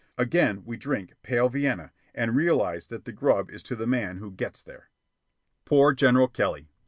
Again we drink pale Vienna and realize that the grub is to the man who gets there. Poor General Kelly!